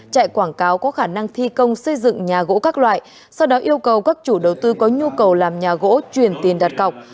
chạy quảng cáo có khả năng thi công xây dựng nhà gỗ các loại sau đó yêu cầu các chủ đầu tư có nhu cầu làm nhà gỗ truyền tiền đặt cọc